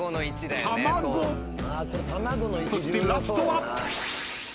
［そしてラストは］